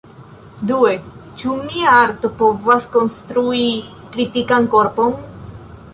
Due: Ĉu mia arto povas konstrui "kritikan korpon"?